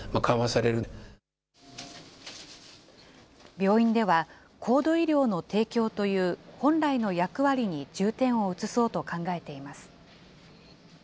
病院では、高度医療の提供という本来の役割に重点を移そうと考えています。